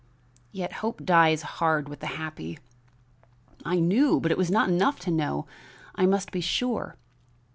"Yet hope dies hard with the happy. I knew, but it was not enough to know, I must be sure.